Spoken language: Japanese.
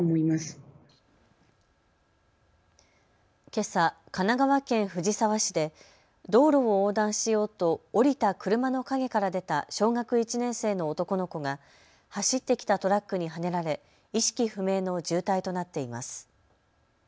けさ神奈川県藤沢市で道路を横断しようと降りた車の陰から出た小学１年生の男の子が走ってきたトラックにはねられ意識不明の重体となっています。